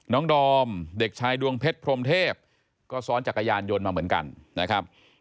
ดอมเด็กชายดวงเพชรพรมเทพก็ซ้อนจักรยานยนต์มาเหมือนกันนะครับ